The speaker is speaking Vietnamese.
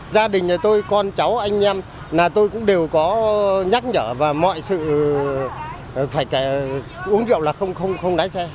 gia đình con cháu anh em tôi cũng đều có nhắc nhở và mọi sự phải uống rượu là không lái xe